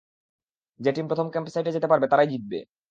যে টিম প্রথমে ক্যাম্পসাইটে যেতে পারবে, তারাই জিতবে।